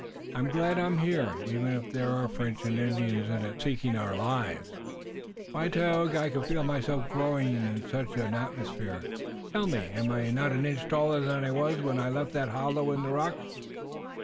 "I'm glad I'm here, even if there are Frenchmen and Indians in it, seeking our lives. Why, Tayoga, I can feel myself growing in such an atmosphere! Tell me, am I not an inch taller than I was when I left that hollow in the rocks?"